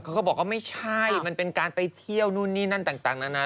เขาก็บอกว่าไม่ใช่มันเป็นการไปเที่ยวนู่นนี่นั่นต่างนานา